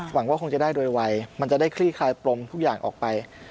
หวังว่าคงจะได้โดยวัยมันจะได้คลี่คลายปรมทุกอย่างออกไป